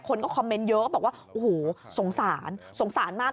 คนก็คอมเมนต์เยอะก็บอกว่าโอ้โหสงสารสงสารมาก